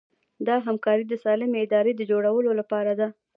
دا همکاري د سالمې ادارې د جوړولو لپاره ده.